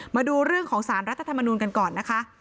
มาดูเรื่องของสารรัฐธรรมนูลกันก่อนนะคะ